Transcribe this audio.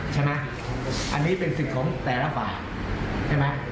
ใช่มั้ยอันนี้เป็นสิทธิ์ของแต่ละฝ่าใช่มั้ย